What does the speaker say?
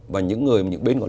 và những người